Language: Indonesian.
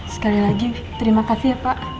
sekali lagi terima kasih ya pak